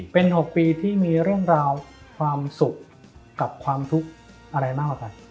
เป็น๖ปีที่มีเรื่องราวความสุขกับความทุกข์อะไรมากกว่ากัน